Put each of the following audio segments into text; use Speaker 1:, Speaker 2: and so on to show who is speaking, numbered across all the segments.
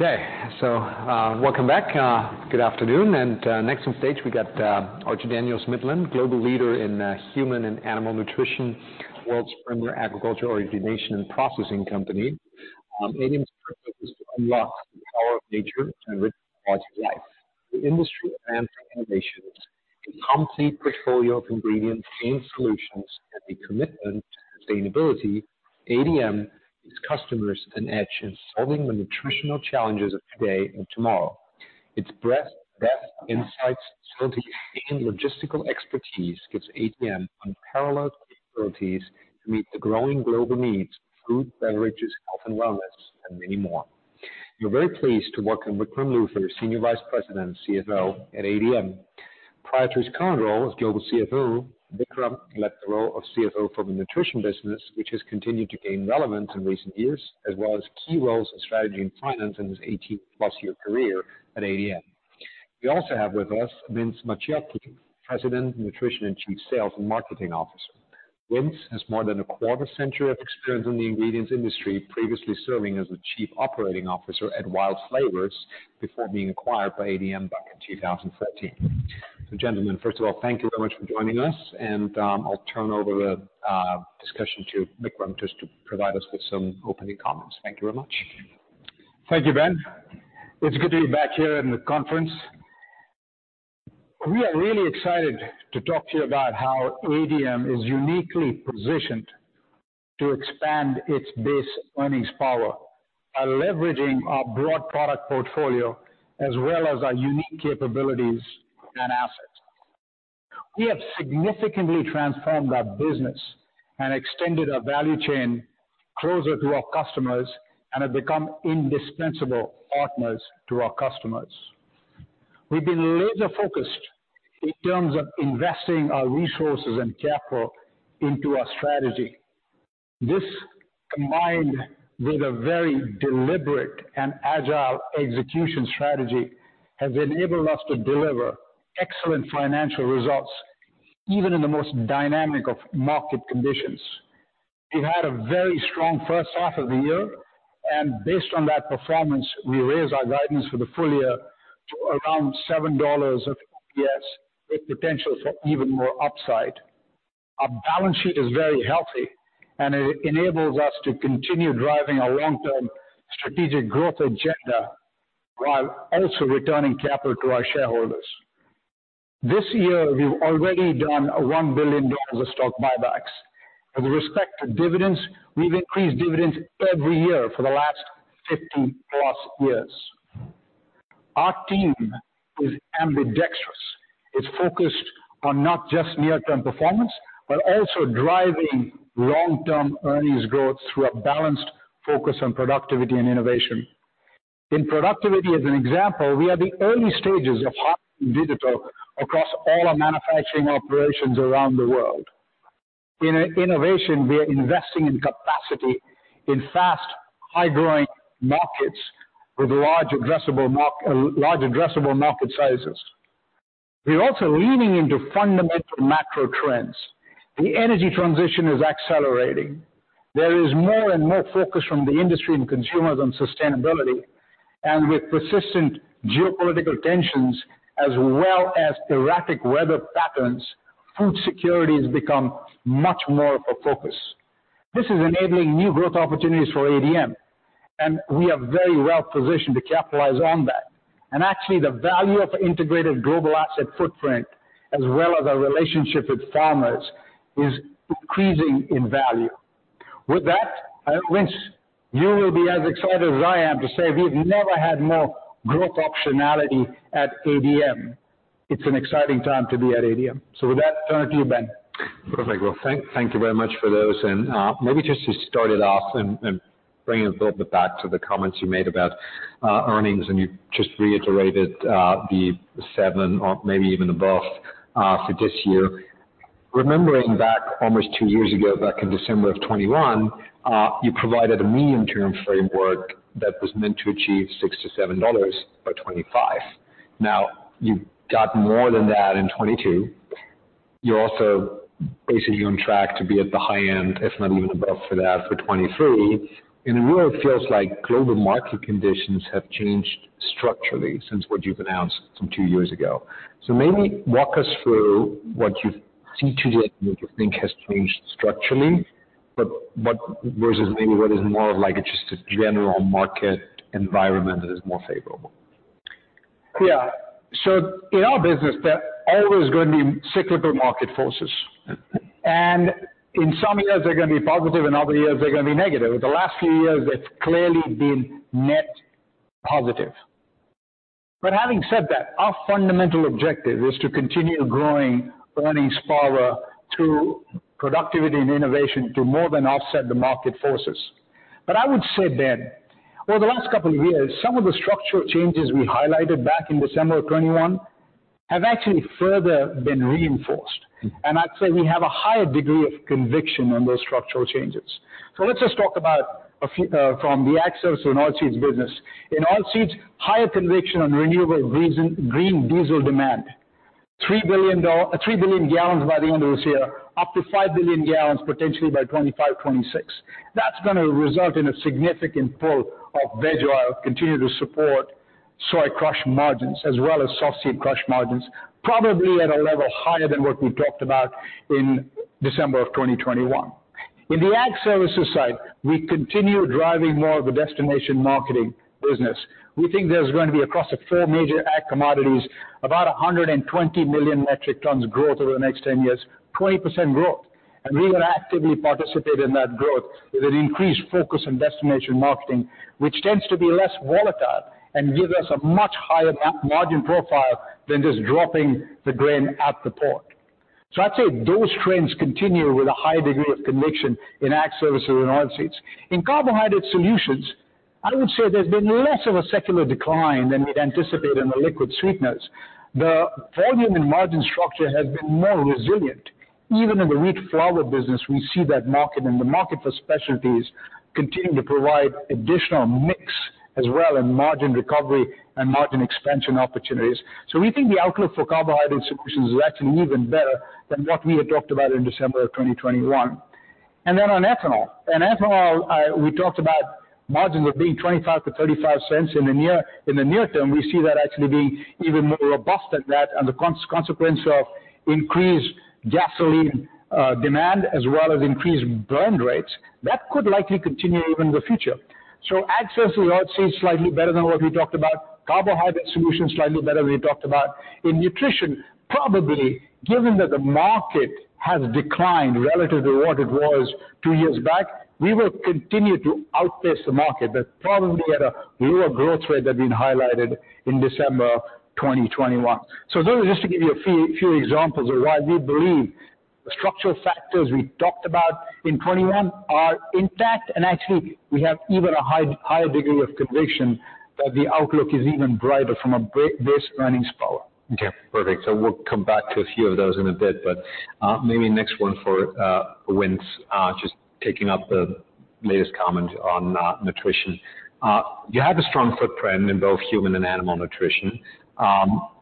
Speaker 1: Okay, so, welcome back. Good afternoon, and next on stage we got Archer-Daniels-Midland, global leader in human and animal nutrition, world's premier agriculture origination and processing company. ADM's purpose is to unlock the power of nature to enrich positive life. The industry and innovations, a complete portfolio of ingredients and solutions, and a commitment to sustainability, ADM gives customers an edge in solving the nutritional challenges of today and tomorrow. Its breadth, depth, insights, agility, and logistical expertise gives ADM unparalleled capabilities to meet the growing global needs, food, beverages, health and wellness, and many more. We're very pleased to welcome Vikram Luthar, Senior Vice President and CFO at ADM. Prior to his current role as Global CFO, Vikram led the role of CFO for the nutrition business, which has continued to gain relevance in recent years, as well as key roles in strategy and finance in his 18+ year career at ADM. We also have with us Vince Macciocchi, President, Nutrition and Chief Sales and Marketing Officer. Vince has more than a quarter century of experience in the ingredients industry, previously serving as the Chief Operating Officer at Wild Flavors before being acquired by ADM back in 2013. Gentlemen, first of all, thank you so much for joining us, and I'll turn over the discussion to Vikram just to provide us with some opening comments. Thank you very much.
Speaker 2: Thank you, Ben. It's good to be back here in the conference. We are really excited to talk to you about how ADM is uniquely positioned to expand its base earnings power by leveraging our broad product portfolio, as well as our unique capabilities and assets. We have significantly transformed our business and extended our value chain closer to our customers and have become indispensable partners to our customers. We've been laser-focused in terms of investing our resources and capital into our strategy. This, combined with a very deliberate and agile execution strategy, has enabled us to deliver excellent financial results, even in the most dynamic of market conditions. We've had a very strong first half of the year, and based on that performance, we raised our guidance for the full year to around $7 of EPS, with potential for even more upside. Our balance sheet is very healthy, and it enables us to continue driving our long-term strategic growth agenda while also returning capital to our shareholders. This year, we've already done $1 billion of stock buybacks. With respect to dividends, we've increased dividends every year for the last 50+ years. Our team is ambidextrous. It's focused on not just near-term performance, but also driving long-term earnings growth through a balanced focus on productivity and innovation. In productivity, as an example, we are the early stages of digital across all our manufacturing operations around the world. In innovation, we are investing in capacity in fast, high-growing markets with large addressable market sizes. We're also leaning into fundamental macro trends. The energy transition is accelerating. There is more and more focus from the industry and consumers on sustainability, and with persistent geopolitical tensions as well as erratic weather patterns, food security has become much more of a focus. This is enabling new growth opportunities for ADM, and we are very well positioned to capitalize on that. Actually, the value of our integrated global asset footprint, as well as our relationship with farmers, is increasing in value. With that, I hope, Vince, you will be as excited as I am to say we've never had more growth optionality at ADM. It's an exciting time to be at ADM. With that, turn to you, Ben.
Speaker 1: Perfect. Well, thank, thank you very much for those. Maybe just to start it off and, and bringing a little bit back to the comments you made about earnings, and you just reiterated the $7 or maybe even above for this year. Remembering back almost two years ago, back in December of 2021, you provided a medium-term framework that was meant to achieve $6-$7 by 2025. Now, you've got more than that in 2022. You're also basically on track to be at the high end, if not even above for that, for 2023. It really feels like global market conditions have changed structurally since what you've announced some two years ago. Maybe walk us through what you see today and what you think has changed structurally, but what... versus maybe what is more of like just a general market environment that is more favorable.
Speaker 2: Yeah. So in our business, there are always going to be cyclical market forces, and in some years they're going to be positive, and other years they're going to be negative. The last few years, it's clearly been net positive. But having said that, our fundamental objective is to continue growing earnings power through productivity and innovation to more than offset the market forces. But I would say, Ben, over the last couple of years, some of the structural changes we highlighted back in December of 2021 have actually further been reinforced, and I'd say we have a higher degree of conviction on those structural changes. So let's just talk about a few from the Ag Services and Oilseeds business. In Oilseeds, higher conviction on renewable green diesel demand. 3 billion gal by the end of this year, up to 5 billion gal, potentially by 2025-2026. That's gonna result in a significant pull of veg oil, continue to support soy crush margins, as well as soft seed crush margins, probably at a level higher than what we talked about in December of 2021. In the Ag Services side, we continue driving more of the destination marketing business. We think there's going to be, across the four major ag commodities, about 120 million metric tons growth over the next 10 years, 20% growth. And we will actively participate in that growth with an increased focus on destination marketing, which tends to be less volatile and gives us a much higher margin profile than just dropping the grain at the port. So I'd say those trends continue with a high degree of conviction in Ag Services and Oilseeds. In Carbohydrate Solutions, I would say there's been less of a secular decline than we'd anticipate in the liquid sweeteners. The volume and margin structure has been more resilient. Even in the Wheat Flour business, we see that market and the market for specialties continuing to provide additional mix as well, and margin recovery and margin expansion opportunities. So we think the outlook for Carbohydrate Solutions is actually even better than what we had talked about in December of 2021. Then on ethanol. In ethanol, we talked about margins of being $0.25-$0.35 in the near term. We see that actually being even more robust than that and the consequence of increased gasoline demand as well as increased burn rates. That could likely continue even in the future. So Ag Services and Oilseeds, slightly better than what we talked about. Carbohydrate Solutions, slightly better than what we talked about. In Nutrition, probably, given that the market has declined relative to what it was two years back, we will continue to outpace the market, but probably at a lower growth rate than being highlighted in December 2021. So those are just to give you a few examples of why we believe the structural factors we talked about in 2021 are intact, and actually, we have even a higher degree of conviction that the outlook is even brighter from a base earnings power.
Speaker 1: Okay, perfect. So we'll come back to a few of those in a bit, but maybe next one for Vince, just picking up the latest comment on Nutrition. You have a strong footprint in both human and animal nutrition,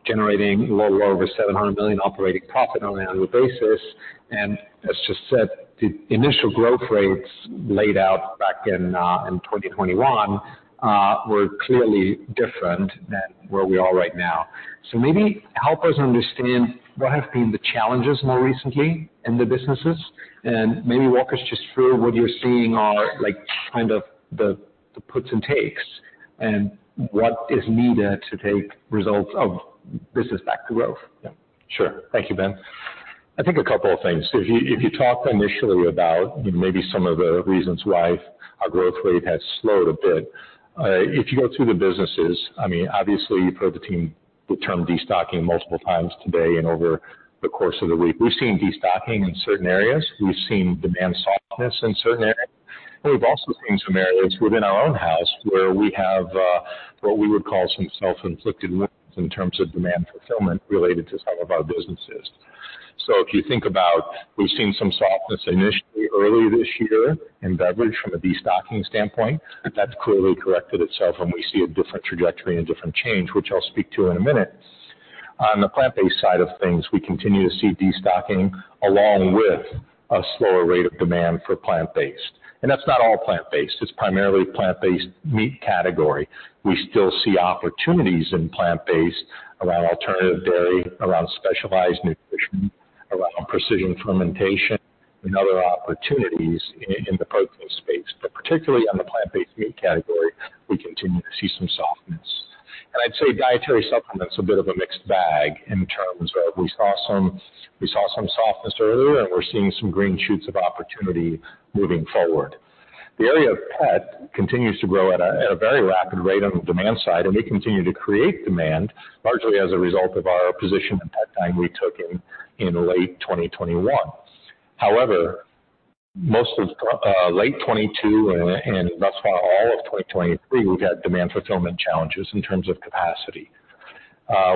Speaker 1: generating a little over $700 million operating profit on an annual basis. And as just said, the initial growth rates laid out back in 2021 were clearly different than where we are right now. So maybe help us understand what have been the challenges more recently in the businesses, and maybe walk us just through what you're seeing are like, kind of the puts and takes, and what is needed to take results of business back to growth?
Speaker 3: Yeah, sure. Thank you, Ben. I think a couple of things. If you talk initially about maybe some of the reasons why our growth rate has slowed a bit, if you go through the businesses, I mean, obviously, you've heard the term destocking multiple times today and over the course of the week. We've seen destocking in certain areas. We've seen demand softness in certain areas, and we've also seen some areas within our own house where we have what we would call some self-inflicted wounds in terms of demand fulfillment related to some of our businesses. So if you think about, we've seen some softness initially early this year in beverage from a destocking standpoint, but that's clearly corrected itself, and we see a different trajectory and a different change, which I'll speak to in a minute. On the plant-based side of things, we continue to see destocking along with a slower rate of demand for plant-based. That's not all plant-based. It's primarily plant-based meat category. We still see opportunities in plant-based around alternative dairy, around specialized nutrition, around precision fermentation, and other opportunities in, in the protein space. But particularly on the plant-based meat category, we continue to see some softness. And I'd say dietary supplements, a bit of a mixed bag in terms of we saw some, we saw some softness earlier, and we're seeing some green shoots of opportunity moving forward. The area of pet continues to grow at a, at a very rapid rate on the demand side, and we continue to create demand, largely as a result of our position in pet time we took in, in late 2021. However, most of late 2022 and, and thus far, all of 2023, we've had demand fulfillment challenges in terms of capacity.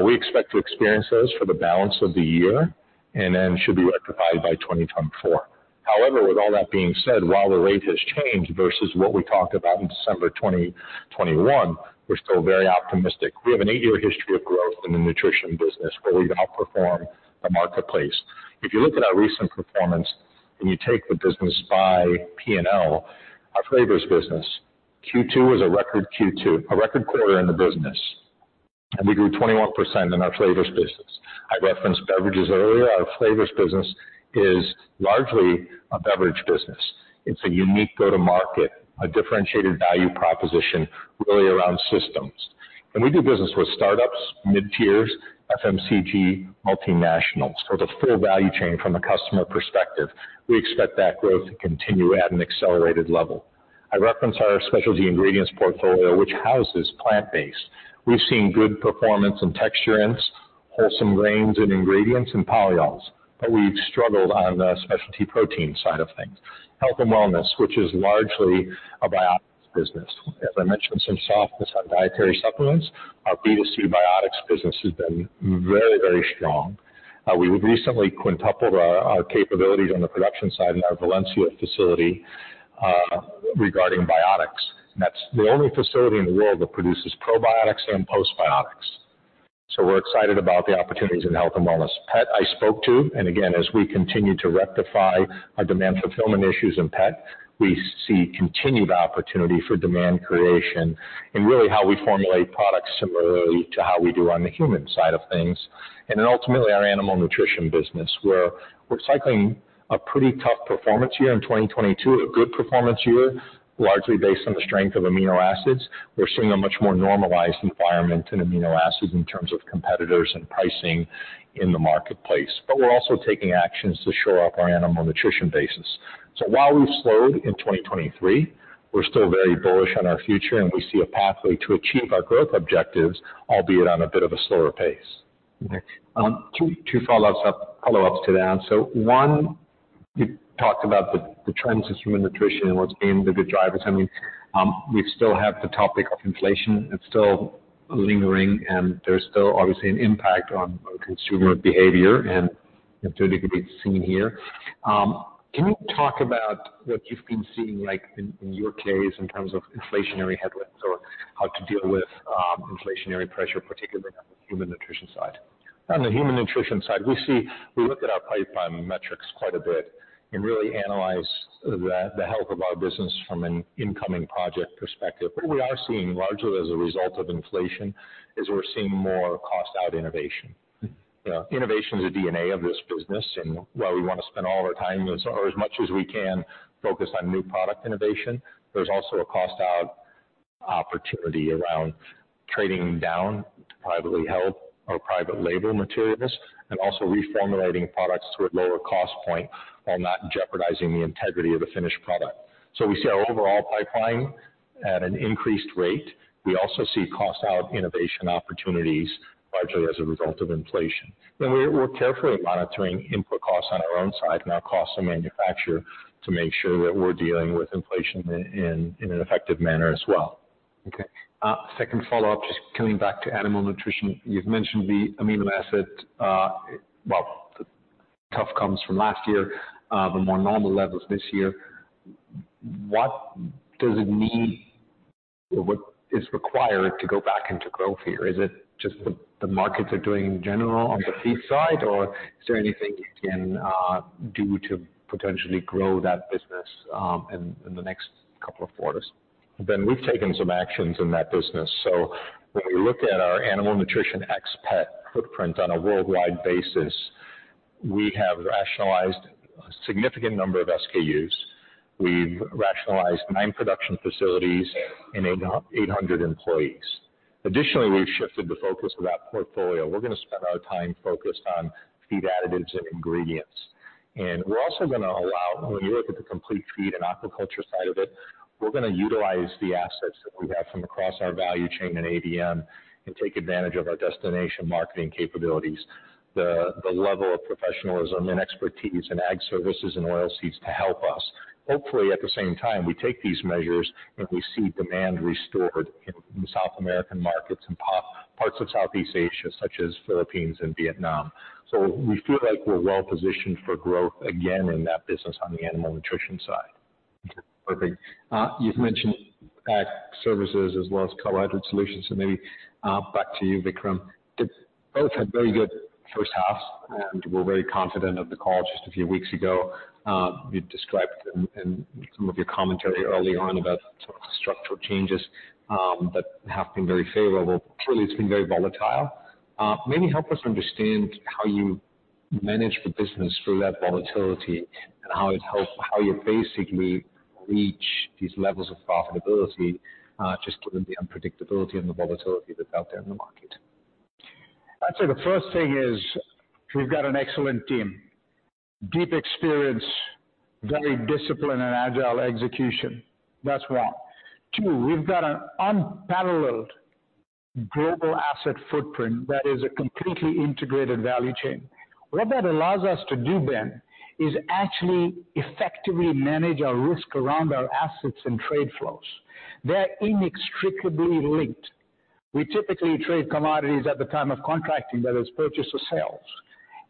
Speaker 3: We expect to experience this for the balance of the year and then should be rectified by 2024. However, with all that being said, while the rate has changed versus what we talked about in December 2021, we're still very optimistic. We have an eight-year history of growth in the Nutrition business, where we've outperformed the marketplace. If you look at our recent performance, and you take the business by P&L, our Flavors business, Q2 was a record Q2, a record quarter in the business, and we grew 21% in our Flavors business. I referenced beverages earlier. Our Flavors business is largely a beverage business. It's a unique go-to-market, a differentiated value proposition really around systems. We do business with startups, mid-tiers, FMCG, multinationals, so the full value chain from a customer perspective. We expect that growth to continue at an accelerated level. I referenced our specialty ingredients portfolio, which houses plant-based. We've seen good performance in texturants, wholesome grains and ingredients, and polyols, but we've struggled on the specialty protein side of things. Health and Wellness, which is largely a biotics business. As I mentioned, some softness on dietary supplements. Our B2C Biotics business has been very, very strong. We recently quintupled our capabilities on the production side in our Valencia facility regarding biotics. And that's the only facility in the world that produces probiotics and postbiotics. So we're excited about the opportunities in Health and Wellness. Pet, I spoke to, and again, as we continue to rectify our demand fulfillment issues in Pet, we see continued opportunity for demand creation and really how we formulate products similarly to how we do on the human side of things. And then ultimately, our Animal Nutrition business, where we're cycling a pretty tough performance year in 2022, a good performance year, largely based on the strength of amino acids. We're seeing a much more normalized environment in amino acids in terms of competitors and pricing in the marketplace. But we're also taking actions to shore up our Animal Nutrition basis. So while we've slowed in 2023, we're still very bullish on our future, and we see a pathway to achieve our growth objectives, albeit on a bit of a slower pace.
Speaker 1: Okay. Two follow-ups to that. So one, you talked about the trends in human nutrition and what's being the good drivers. I mean, we still have the topic of inflation. It's still lingering, and there's still obviously an impact on consumer behavior, and clearly can be seen here. Can you talk about what you've been seeing, like, in your case, in terms of inflationary headwinds or how to deal with inflationary pressure, particularly on the human nutrition side?
Speaker 3: On the human nutrition side, we see, we look at our pipeline metrics quite a bit and really analyze the health of our business from an incoming project perspective. What we are seeing, largely as a result of inflation, is we're seeing more cost-out innovation. Innovation is the DNA of this business, and while we want to spend all of our time, or as much as we can, focused on new product innovation, there's also a cost-out opportunity around trading down to privately held or private label materials, and also reformulating products to a lower cost point while not jeopardizing the integrity of the finished product. So we see our overall pipeline at an increased rate. We also see cost-out innovation opportunities, largely as a result of inflation. We're carefully monitoring input costs on our own side and our cost to manufacture to make sure that we're dealing with inflation in an effective manner as well.
Speaker 1: Okay, second follow-up, just coming back to animal nutrition. You've mentioned the amino acids, well, the tough comes from last year, the more normal levels this year. What does it mean? What is required to go back into growth here? Is it just the markets are doing general on the feed side, or is there anything you can do to potentially grow that business, in the next couple of quarters?
Speaker 3: Ben, we've taken some actions in that business. So when we look at our animal nutrition ex pet footprint on a worldwide basis, we have rationalized a significant number of SKUs. We've rationalized nine production facilities and 800 employees. Additionally, we've shifted the focus of that portfolio. We're going to spend our time focused on feed additives and ingredients. And we're also going to allow, when you look at the complete feed and aquaculture side of it, we're going to utilize the assets that we have from across our value chain in ADM and take advantage of our destination marketing capabilities, the level of professionalism and expertise in Ag Services and Oilseeds to help us. Hopefully, at the same time, we take these measures, and we see demand restored in South American markets and parts of Southeast Asia, such as Philippines and Vietnam. We feel like we're well positioned for growth again in that business on the animal nutrition side.
Speaker 1: Perfect. You've mentioned Ag Services as well as Carbohydrate Solutions, so maybe back to you, Vikram. Both had very good first halves, and we're very confident of the call just a few weeks ago. You described in some of your commentary early on about sort of structural changes that have been very favorable. Clearly, it's been very volatile. Maybe help us understand how you manage the business through that volatility and how it helps, how you basically reach these levels of profitability just given the unpredictability and the volatility that's out there in the market.
Speaker 2: I'd say the first thing is we've got an excellent team, deep experience, very disciplined and agile execution. That's one. Two, we've got an unparalleled global asset footprint that is a completely integrated value chain. What that allows us to do, Ben, is actually effectively manage our risk around our assets and trade flows. They're inextricably linked. We typically trade commodities at the time of contracting, whether it's purchase or sales,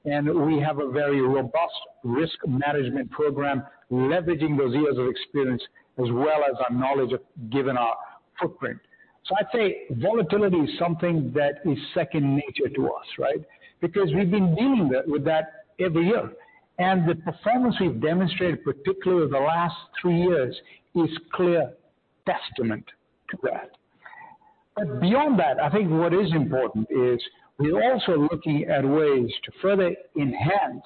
Speaker 2: and we have a very robust risk management program, leveraging those years of experience as well as our knowledge of given our footprint. So I'd say volatility is something that is second nature to us, right? Because we've been dealing with that every year, and the performance we've demonstrated, particularly over the last three years, is clear testament to that. But beyond that, I think what is important is we're also looking at ways to further enhance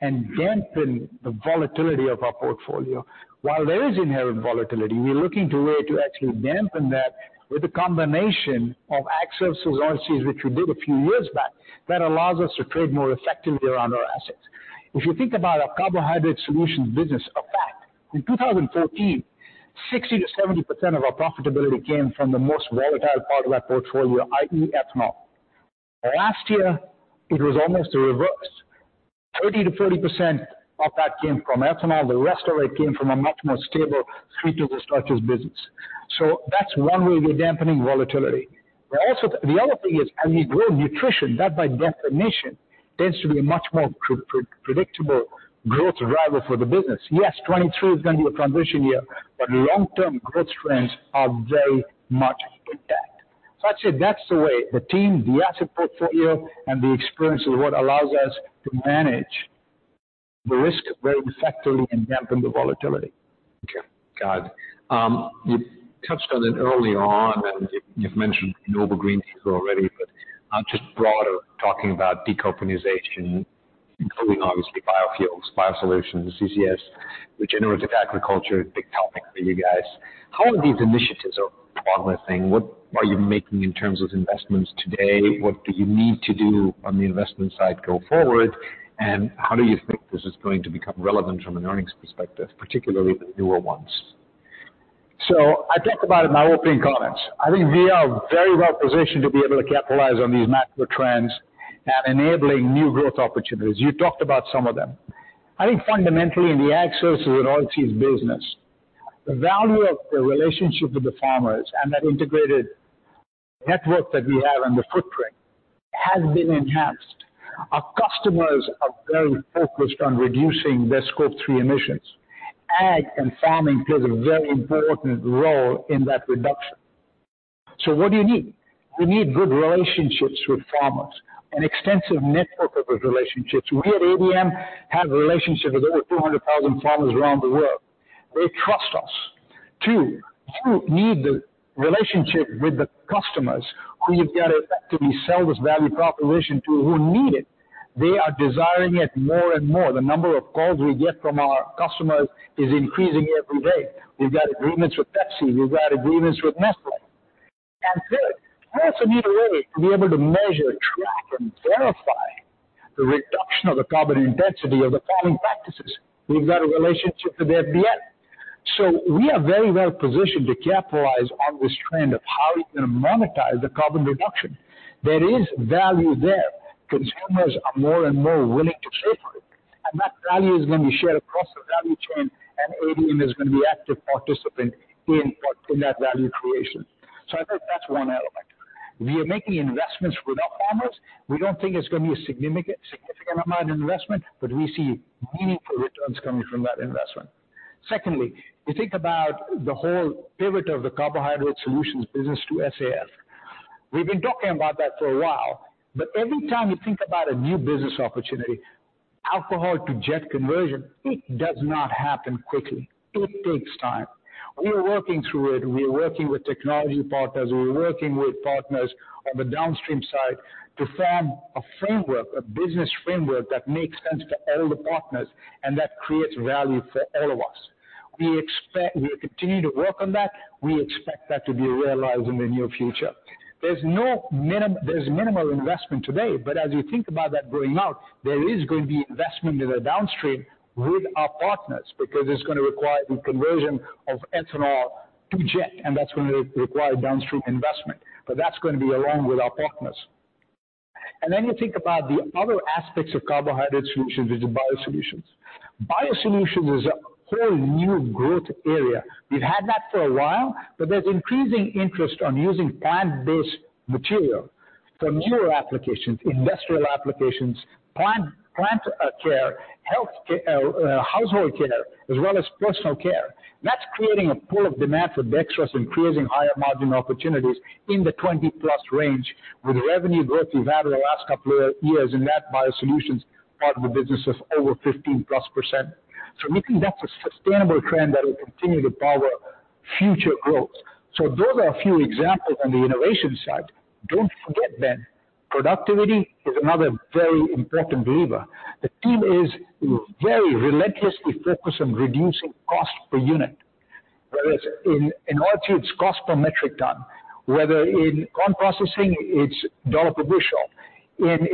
Speaker 2: and dampen the volatility of our portfolio. While there is inherent volatility, we're looking to where to actually dampen that with a combination of Ag Services and Oilseeds, which we did a few years back, that allows us to trade more effectively around our assets. If you think about our Carbohydrate Solutions business, of that, in 2014, 60%-70% of our profitability came from the most volatile part of our portfolio, i.e., ethanol. Last year, it was almost the reverse. 30%-40% of that came from ethanol. The rest of it came from a much more stable sweeteners and starches business. So that's one way we're dampening volatility.... But also, the other thing is, as we grow Nutrition, that by definition tends to be a much more predictable growth driver for the business. Yes, 2023 is going to be a transition year, but long-term growth trends are very much intact. So I'd say that's the way the team, the asset portfolio, and the experience of what allows us to manage the risk very effectively and dampen the volatility.
Speaker 1: Okay, got it. You touched on it early on, and you've mentioned renewable green here already, but just broader, talking about decarbonization, including obviously biofuels, BioSolutions, CCS, regenerative agriculture, big topic for you guys. How are these initiatives are progressing? What are you making in terms of investments today? What do you need to do on the investment side go forward, and how do you think this is going to become relevant from an earnings perspective, particularly the newer ones?
Speaker 2: So I talked about it in my opening comments. I think we are very well positioned to be able to capitalize on these macro trends and enabling new growth opportunities. You talked about some of them. I think fundamentally, in the access to the Archer business, the value of the relationship with the farmers and that integrated network that we have and the footprint has been enhanced. Our customers are very focused on reducing their Scope 3 emissions. Ag and farming plays a very important role in that reduction. So what do you need? We need good relationships with farmers, an extensive network of those relationships. We at ADM have a relationship with over 200,000 farmers around the world. They trust us. Two, you need the relationship with the customers who you've got it, that we sell this value proposition to, who need it. They are desiring it more and more. The number of calls we get from our customers is increasing every day. We've got agreements with Pepsi, we've got agreements with Nestlé. And third, we also need a way to be able to measure, track, and verify the reduction of the carbon intensity of the farming practices. We've got a relationship with FBN. So we are very well positioned to capitalize on this trend of how are you going to monetize the carbon reduction. There is value there. Consumers are more and more willing to pay for it, and that value is going to be shared across the value chain, and ADM is going to be active participant in in that value creation. So I think that's one element. We are making investments with our farmers. We don't think it's going to be a significant, significant amount of investment, but we see meaningful returns coming from that investment. Secondly, you think about the whole pivot of the Carbohydrate Solutions business to SAF. We've been talking about that for a while, but every time you think about a new business opportunity, alcohol to jet conversion, it does not happen quickly. It takes time. We are working through it. We are working with technology partners, we're working with partners on the downstream side to form a framework, a business framework that makes sense for all the partners and that creates value for all of us. We expect... We continue to work on that. We expect that to be realized in the near future. There's minimal investment today, but as you think about that going out, there is going to be investment in the downstream with our partners, because it's going to require the conversion of ethanol to jet, and that's going to require downstream investment, but that's going to be along with our partners. Then you think about the other aspects of Carbohydrate Solutions, which is BioSolutions. BioSolutions is a whole new growth area. We've had that for a while, but there's increasing interest on using plant-based material for newer applications, industrial applications, plant care, health care, household care, as well as personal care. That's creating a pool of demand for dextrose, increasing higher margin opportunities in the 20+% range, with revenue growth we've had in the last couple of years in that BioSolutions part of the business of over 15+%. So we think that's a sustainable trend that will continue to power future growth. So those are a few examples on the innovation side. Don't forget that productivity is another very important lever. The team is very relentlessly focused on reducing cost per unit, whereas in Archer, it's cost per metric ton, whether in corn processing, it's $1 per bushel.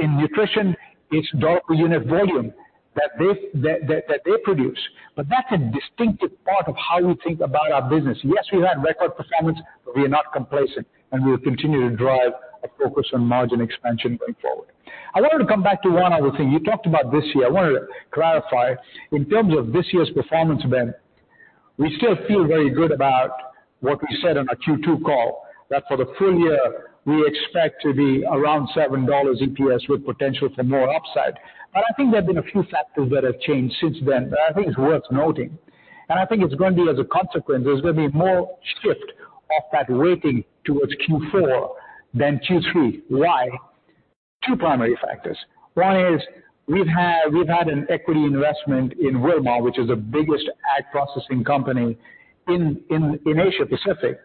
Speaker 2: In Nutrition, it's $1 per unit volume that they produce. But that's a distinctive part of how we think about our business. Yes, we had record performance, but we are not complacent, and we will continue to drive a focus on margin expansion going forward. I wanted to come back to one other thing. You talked about this year. I wanted to clarify. In terms of this year's performance, Ben, we still feel very good about what we said on our Q2 call, that for the full year, we expect to be around $7 EPS, with potential for more upside. I think there have been a few factors that have changed since then, but I think it's worth noting. I think it's going to be as a consequence, there's going to be more shift of that weighting towards Q4 than Q3. Why? Two primary factors. One is we've had an equity investment in Wilmar, which is the biggest ag processing company in Asia Pacific.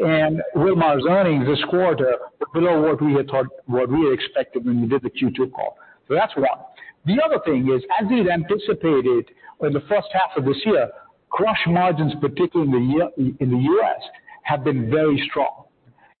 Speaker 2: Wilmar's earnings this quarter were below what we had thought, what we expected when we did the Q2 call. So that's one. The other thing is, as we've anticipated in the first half of this year, crush margins, particularly in the U.S., have been very strong,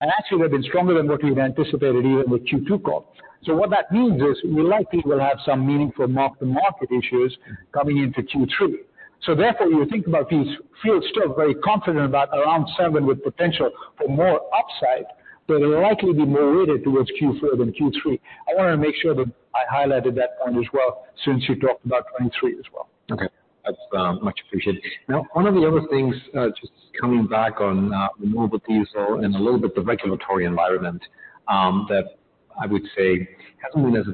Speaker 2: and actually they've been stronger than what we've anticipated even with Q2 call. So what that means is we likely will have some meaningful mark-to-market issues coming into Q3. So therefore, when you think about these, feel still very confident about around $7, with potential for more upside, but it will likely be more weighted towards Q4 than Q3. I wanted to make sure that I highlighted that point as well, since you talked about 2023 as well.
Speaker 1: Okay. So, much appreciated. Now, one of the other things, just coming back on, renewable diesel and a little bit the regulatory environment, that I would say hasn't been as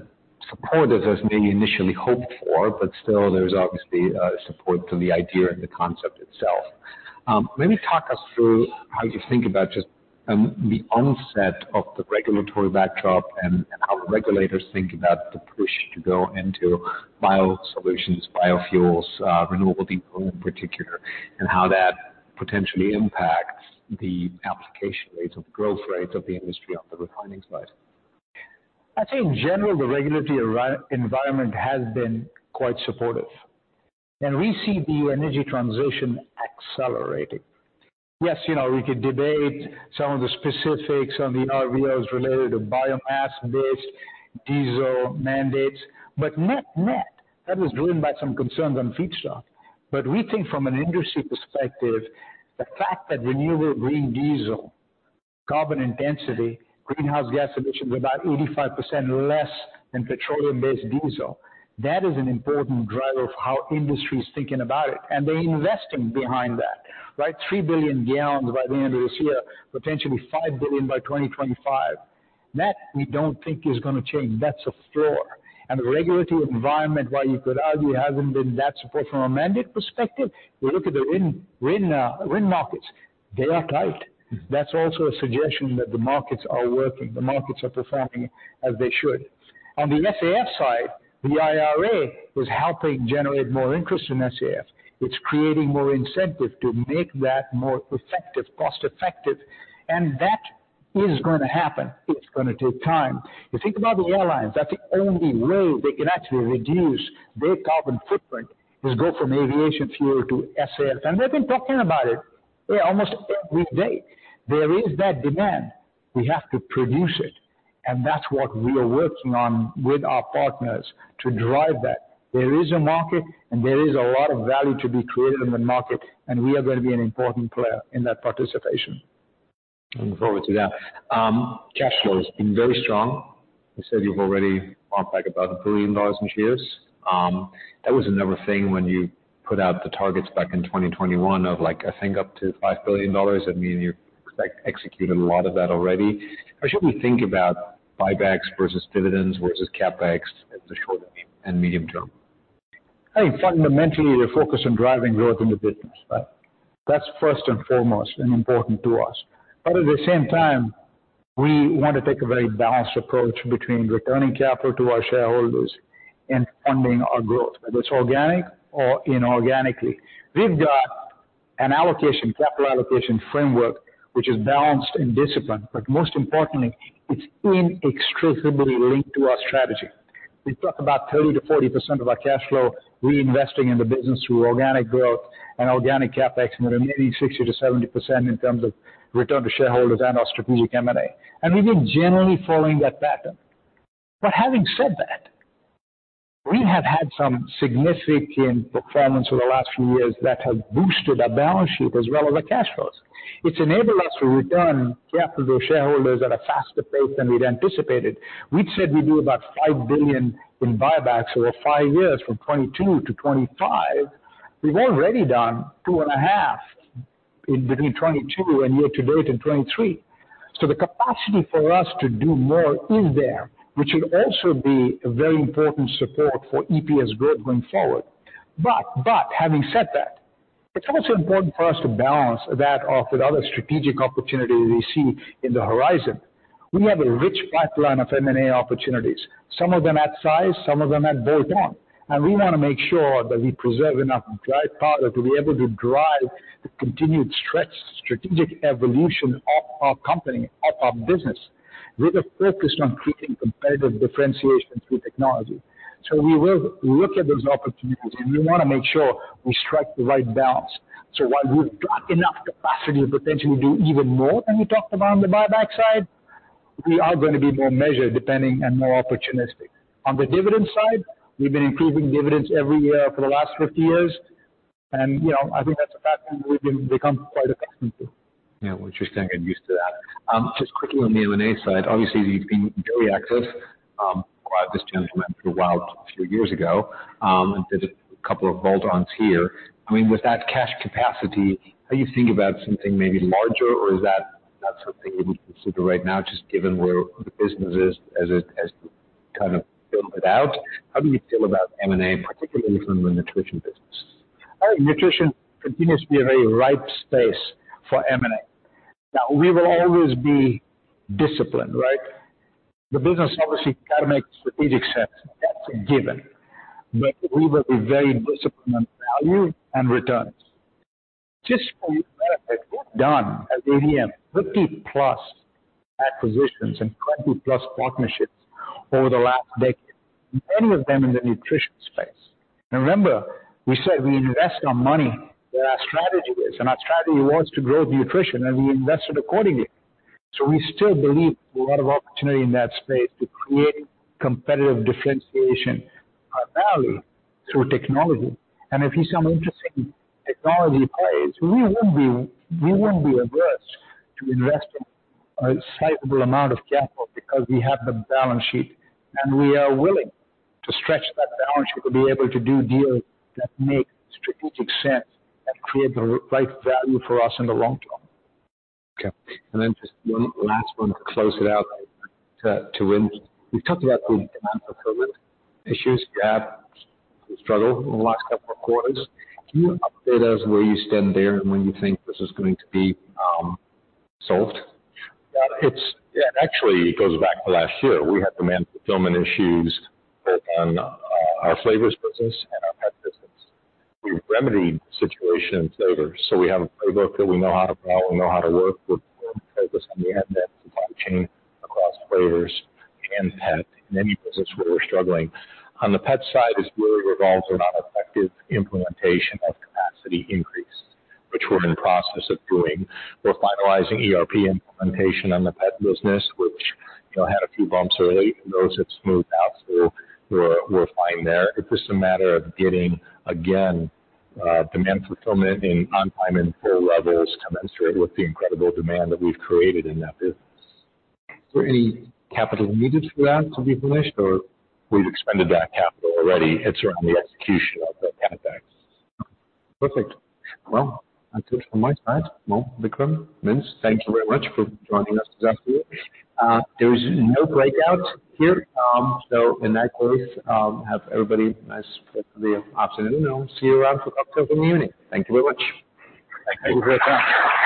Speaker 1: supportive as maybe initially hoped for, but still there's obviously, support to the idea and the concept itself. Maybe talk us through how you think about just, the onset of the regulatory backdrop and, how the regulators think about the push to go into biosolutions, biofuels, renewable diesel in particular, and how that potentially impacts the application rates or growth rates of the industry on the refining side.
Speaker 2: I'd say in general, the regulatory environment has been quite supportive, and we see the energy transition accelerating. Yes, you know, we could debate some of the specifics on the RVOs related to biomass-based diesel mandates, but net-net, that was driven by some concerns on feedstock. But we think from an industry perspective, the fact that renewable green diesel, carbon intensity, greenhouse gas emissions are about 85% less than petroleum-based diesel, that is an important driver of how industry is thinking about it, and they're investing behind that, right? 3 billion gal by the end of this year, potentially 5 billion gal by 2025. That we don't think is gonna change. That's a floor. And the regulatory environment, while you could argue, hasn't been that supportive from a mandate perspective, you look at the RIN, RIN, RIN markets, they are tight. That's also a suggestion that the markets are working, the markets are performing as they should. On the SAF side, the IRA is helping generate more interest in SAF. It's creating more incentive to make that more effective, cost-effective, and that is gonna happen. It's gonna take time. You think about the airlines, that's the only way they can actually reduce their carbon footprint, is go from aviation fuel to SAF. And they've been talking about it, yeah, almost every day. There is that demand. We have to produce it, and that's what we are working on with our partners to drive that. There is a market, and there is a lot of value to be created in the market, and we are gonna be an important player in that participation.
Speaker 1: Looking forward to that. Cash flow has been very strong. You said you've already bought back about $1 billion in shares. That was another thing when you put out the targets back in 2021 of, like, I think up to $5 billion. I mean, you've executed a lot of that already. How should we think about buybacks versus dividends versus CapEx in the short and medium term?
Speaker 2: I think fundamentally, we're focused on driving growth in the business, right? That's first and foremost and important to us. But at the same time, we want to take a very balanced approach between returning capital to our shareholders and funding our growth, whether it's organic or inorganically. We've got an allocation, capital allocation framework, which is balanced and disciplined, but most importantly, it's inextricably linked to our strategy. We talk about 30%-40% of our cash flow reinvesting in the business through organic growth and organic CapEx, and then maybe 60%-70% in terms of return to shareholders and our strategic M&A. We've been generally following that pattern. But having said that, we have had some significant performance over the last few years that has boosted our balance sheet as well as our cash flows. It's enabled us to return capital to shareholders at a faster pace than we'd anticipated. We'd said we'd do about $5 billion in buybacks over five years, from 2022 to 2025. We've already done $2.5 billion in between 2022 and year to date in 2023. So the capacity for us to do more is there, which would also be a very important support for EPS growth going forward. But having said that, it's also important for us to balance that off with other strategic opportunities we see in the horizon. We have a rich pipeline of M&A opportunities, some of them at size, some of them at bolt-on, and we want to make sure that we preserve enough dry powder to be able to drive the continued stretch, strategic evolution of our company, of our business. We are focused on creating competitive differentiation through technology. So we will look at those opportunities, and we want to make sure we strike the right balance. So while we've got enough capacity to potentially do even more than we talked about on the buyback side, we are going to be more measured, depending, and more opportunistic. On the dividend side, we've been improving dividends every year for the last 50 years, and, you know, I think that's a fact that we've become quite accustomed to.
Speaker 1: Yeah, well, interesting. I get used to that. Just quickly on the M&A side, obviously, you've been very active, acquired WILD a few years ago, and did a couple of bolt-ons here. I mean, with that cash capacity, how do you think about something maybe larger, or is that not something you would consider right now, just given where the business is as it has kind of built it out? How do you feel about M&A, particularly from the Nutrition business?
Speaker 2: Nutrition continues to be a very ripe space for M&A. Now, we will always be disciplined, right? The business obviously got to make strategic sense. That's a given. But we will be very disciplined on value and returns. Just for your benefit, we've done, at ADM, 50+ acquisitions and 20+ partnerships over the last decade, many of them in the Nutrition space. And remember, we said we invest our money where our strategy is, and our strategy was to grow Nutrition, and we invested accordingly. So we still believe there's a lot of opportunity in that space to create competitive differentiation, value through technology. If you see some interesting technology plays, we wouldn't be averse to investing a sizable amount of capital because we have the balance sheet, and we are willing to stretch that balance sheet to be able to do deals that make strategic sense and create the right value for us in the long term.
Speaker 1: Okay. And then just one last one to close it out, to Vince. We've talked about the demand fulfillment issues you had, the struggle in the last couple of quarters. Can you update us where you stand there and when you think this is going to be solved?
Speaker 3: Well, it's. Yeah, actually, it goes back to last year. We had demand fulfillment issues both on our Flavors business and our Pet business. We remedied the situation in flavors, so we have a playbook that we know how to follow, we know how to work. We're focused on the end-to-end supply chain across Flavors and Pet, the many business where we're struggling. On the Pet side, this really revolves around effective implementation of capacity increase, which we're in the process of doing. We're finalizing ERP implementation on the Pet business, which, you know, had a few bumps early. Those have smoothed out, so we're, we're fine there. It's just a matter of getting, again, demand fulfillment in on time and full levels commensurate with the incredible demand that we've created in that business.
Speaker 1: Any capital needed for that to be finished, or?
Speaker 3: We've expended that capital already. It's around the execution of the kind of facts.
Speaker 1: Perfect. Well, that's it from my side. Well, Vikram, Vince, thank you very much for joining us this afternoon. There is no breakout here, so in that case, have everybody a nice rest of the afternoon, and I'll see you around for cocktails in the evening. Thank you very much.
Speaker 3: Thank you.